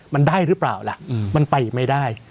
มันได้หรือเปล่าล่ะมันไปไม่ได้